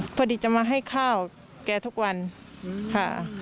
พอดีจะมาให้ข้าวแกทุกวันค่ะ